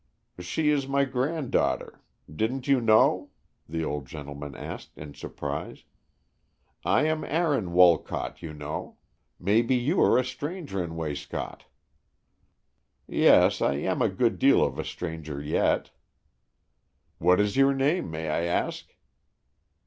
"She is my granddaughter. Didn't you know?" the old gentleman asked, in surprise. "I am Aaron Wolcott, you know. Maybe you are a stranger in Wayscott." "Yes, I am a good deal of a stranger yet." "What is your name, may I ask?"